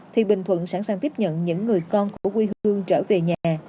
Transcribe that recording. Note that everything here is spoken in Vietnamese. thì bình thuận sẵn sàng tiếp nhận những người con của quê hương trở về nhà